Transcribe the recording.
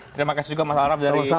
terima kasih juga mas arab dari iparsial